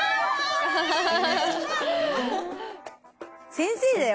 先生だよ